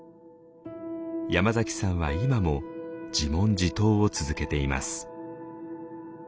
山崎さんは今も自問自答を続けています。